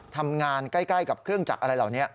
ทำงานใกล้กับเครื่องจักรอะไรเหล่านี้